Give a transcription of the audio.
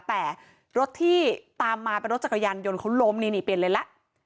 แต่รถที่ตามมาเป็นรถจักรยานยนต์เขาล้มนี่นี่เปลี่ยนเลนแล้ว